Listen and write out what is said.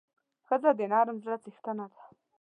ښځه د نرم زړه څښتنه ده.